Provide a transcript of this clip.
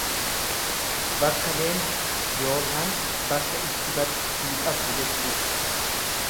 Bakka deemtu ykn bakka itti baddu hin qabdu jechuudha.